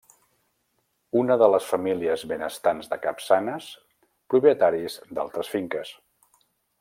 Una de les famílies benestants de Capçanes, propietaris d'altres finques.